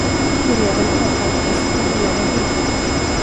Eleven åtalades för olaga hot.